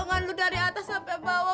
potongan lo dari atas sampai bawah